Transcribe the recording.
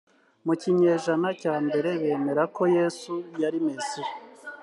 mu kinyejana cya mbere bemera ko yesu yari mesiya